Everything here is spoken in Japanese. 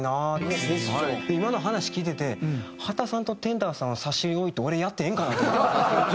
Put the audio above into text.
今の話聞いてて秦さんとＴＥＮＤＲＥさんを差し置いて俺やってええんかなと。